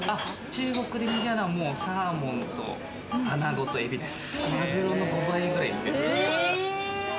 中国で人気なのはサーモンとアナゴとエビです。